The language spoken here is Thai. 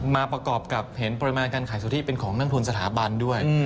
มาประกอบกับเห็นปริมาณการขายสุทธิเป็นของนักทุนสถาบันด้วย